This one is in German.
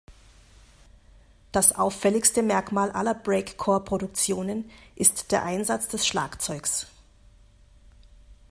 Das auffälligste Merkmal aller Breakcore-Produktionen ist der Einsatz des Schlagzeugs.